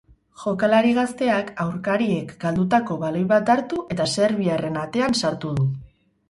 Jokalari gazteak aurkariek galdutako baloi bat hartu, eta serbiarren atean sartu du.